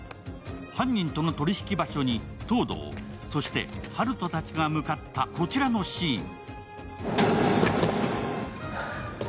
犯人との取り引き場所に東堂、そして温人たちが向かったこちらのシーン。